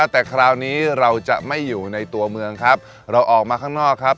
แต่คราวนี้เราจะไม่อยู่ในตัวเมืองครับเราออกมาข้างนอกครับ